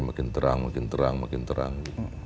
makin terang makin terang makin terang